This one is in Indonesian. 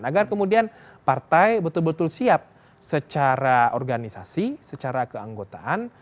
agar kemudian partai betul betul siap secara organisasi secara keanggotaan